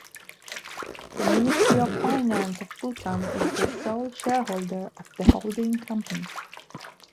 The Ministry of Finance of Bhutan is the sole shareholder of the holding company.